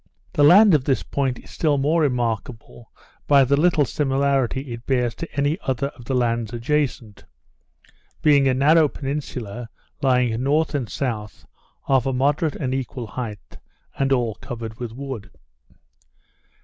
The land of this point is still more remarkable by the little similarity it bears to any other of the lands adjacent; being a narrow peninsula lying north and south, of a moderate and equal height, and all covered with wood.